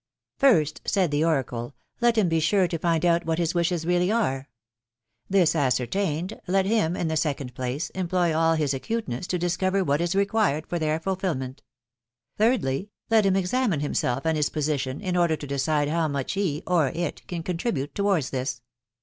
tc First/' said the oracle, *' let him be sure to find out what his wishes really are. This ascertained, let him, in the second place, employ all his acuteness to discover what is reqtured for their fulfilment. Thirdly, let him examine himself and his position, in order to decide how much he, or it, can contribute towards this.